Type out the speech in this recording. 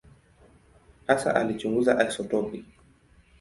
Hasa alichunguza isotopi.